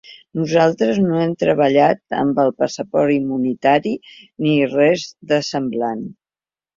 Nosaltres no hem treballat amb el passaport immunitari ni res de semblant.